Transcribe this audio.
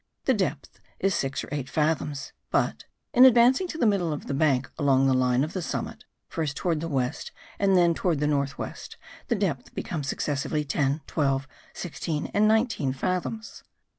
The depth is six or eight fathoms; but, in advancing to the middle of the bank, along the line of the summit, first towards the west and then towards the north west, the depth becomes successively ten, twelve, sixteen and nineteen fathoms.